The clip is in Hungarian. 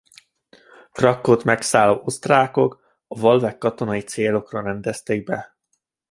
A Krakkót megszálló osztrákok a Wawelt katonai célokra rendezték be.